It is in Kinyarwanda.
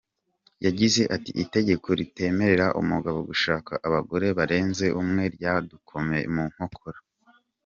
Yagize ati “Itegeko ritemerera umugabo gushaka abagore barenze umwe ryadukomye mu nkokora.